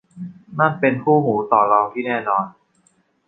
นั่นเป็นคู่หูต่อรองที่แน่นอน